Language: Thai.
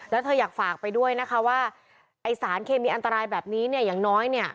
แล้วเธออยากฝากไปด้วยนะคะว่าไอ้สารเคมีอันตรายแบบนี้เนี่ยอย่างน้อยเนี่ย